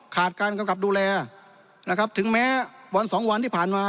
ขาดการกำกับดูแลนะครับถึงแม้วันสองวันที่ผ่านมา